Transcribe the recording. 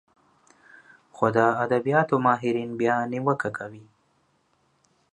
خو د ادبياتو ماهرين بيا نيوکه کوي